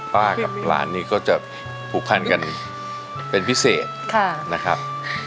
กับร้านนี้ก็จะผูกพันกันเป็นพิเศษนะครับ